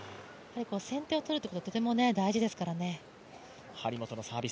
先手を取るということがとても大事ですからね。